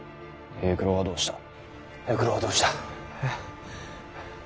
平九郎はどうした？え？